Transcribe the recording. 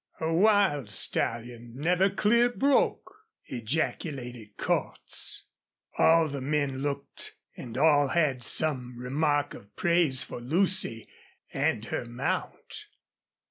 "A wild stallion never clear broke!" ejaculated Cordts. All the men looked and all had some remark of praise for Lucy and her mount.